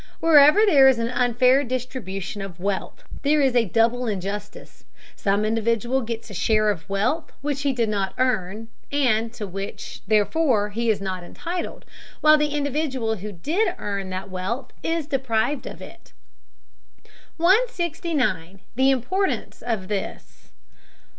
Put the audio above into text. Wherever there is an unfair distribution of wealth, there is a double injustice: some individual gets a share of wealth which he did not earn and to which, therefore, he is not entitled; while the individual who did earn that wealth is deprived of it. 169. THE IMPORTANCE OF THIS.